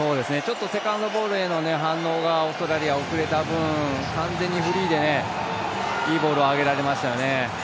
セカンドボールへの反応がオーストラリア遅れた分、完全にフリーでいいボールをあげられましたね。